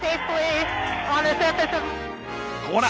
ほら！